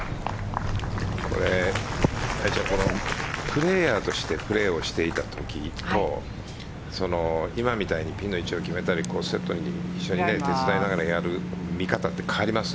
プレーヤーとしてプレーをしていたときと今みたいにピンの位置を決めたり一緒に手伝いながらやる見方って変わります？